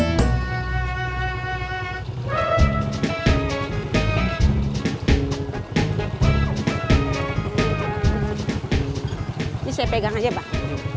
ini saya pegang aja pak